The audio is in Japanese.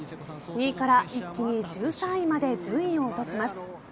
２位から一気に１３位まで順位を落とします。